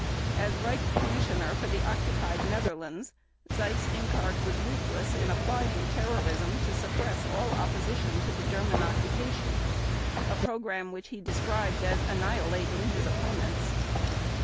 As Reich Commissioner for the Occupied Netherlands, Seyss Inquart was ruthless in applying terrorism to suppress all opposition to the German occupation, a program which he described as "annihilating" his opponents.